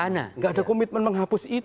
tidak ada komitmen menghapus itu